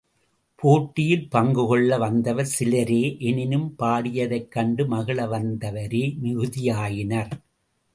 போட்டியில் பங்கு கொள்ள வந்தவர் சிலரே எனினும் பாடியதைக் கண்டு மகிழ வந்தவரே மிகுதியாயினர்.